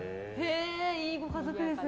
いいご家族ですね。